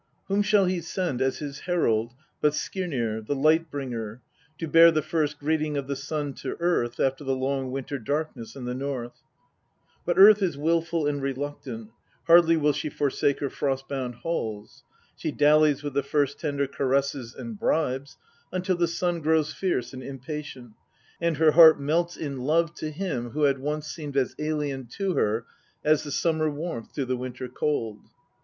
Whom shall he send as his herald but Skirnir, the Light bringer, to bear the first greeting of the Sun to Earth after the long winter darkness in the North ? But Earth is wilful and reluctant ; hardly will she forsake her frost bound halls. She dallies with the first tender caresses and bribes, until the Sun grows fierce and impatient, and her heart melts in love to him who had once seemed as alien to her as the sunr.'mer warmth to the winter cold.